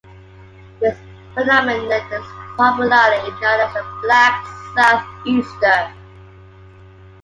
This phenomenon is popularly known as a Black South-Easter.